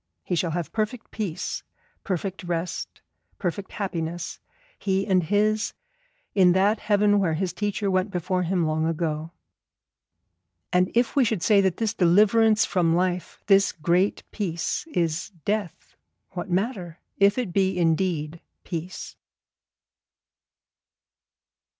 He shall have perfect Peace, perfect rest, perfect happiness, he and his, in that heaven where his teacher went before him long ago. And if we should say that this Deliverance from life, this Great Peace, is Death, what matter, if it be indeed Peace?